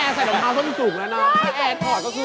เพราะว่ารายการหาคู่ของเราเป็นรายการแรกนะครับ